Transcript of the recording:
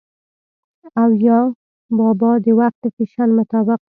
او يا بابا د وخت د فېشن مطابق